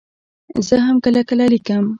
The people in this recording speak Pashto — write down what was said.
زه هم کله کله لیکم.